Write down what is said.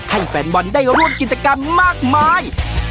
แฟนบอลได้ร่วมกิจกรรมมากมาย